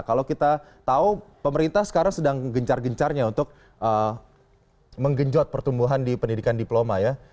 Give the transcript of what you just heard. kalau kita tahu pemerintah sekarang sedang gencar gencarnya untuk menggenjot pertumbuhan di pendidikan diploma ya